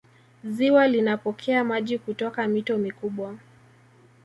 ziwa linapokea maji kutoka mito mikubwa